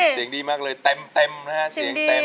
เสียงดีมากเลยเต็มนะฮะเสียงเต็ม